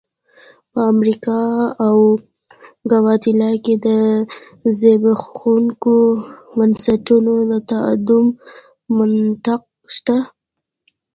په امریکا او ګواتیلا کې د زبېښونکو بنسټونو د تداوم منطق شته.